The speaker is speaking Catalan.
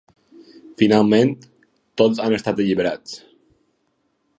Finalment, tots han estat alliberats.